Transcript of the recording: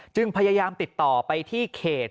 พยายามติดต่อไปที่เขต